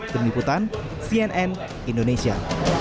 deniputan cnn indonesia